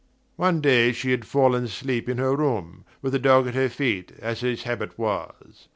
One day she had fallen asleep in her room, with the dog at her feet, as his habit was.